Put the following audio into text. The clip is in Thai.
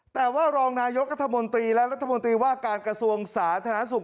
แต่ว่ารองนายกรัฐมนตรีและรัฐมนตรีว่าการกระทรวงสาธารณสุข